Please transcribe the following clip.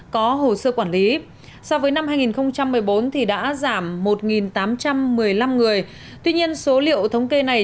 có hồ sơ quản lý so với năm hai nghìn một mươi bốn đã giảm một tám trăm một mươi năm người tuy nhiên số liệu thống kê này